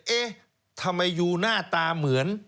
เอ๊ะทำไมยูหน้าตาเหมือน